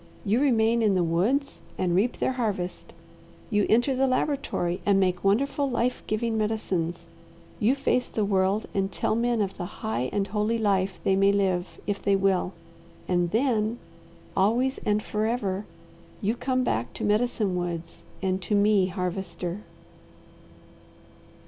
You remain in the woods and reap their harvest, you enter the laboratory and make wonderful, life giving medicines, you face the world and tell men of the high and holy life they may live if they will, and then always and forever, you come back to Medicine Woods and to me, Harvester."